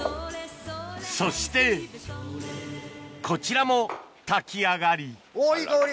そしてこちらも炊き上がりいい香り。